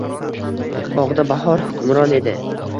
Bog’da bahor hukmron edi…